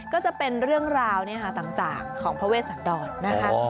ก็จะเป็นเรื่องราวต่างของพระเวชสันดรนะคะ